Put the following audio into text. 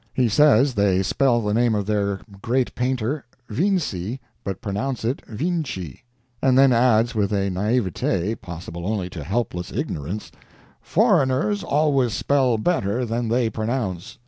He says they spell the name of their great painter "Vinci, but pronounce it Vinchy" and then adds with a naivete possible only to helpless ignorance, "foreigners always spell better than they pronounce."